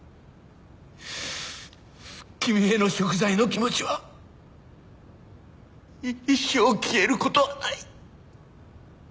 君への贖罪の気持ちは一生消える事はない。